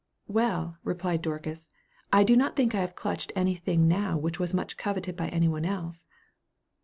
"Well," replied Dorcas, "I do not think I have clutched any thing now which was much coveted by anyone else."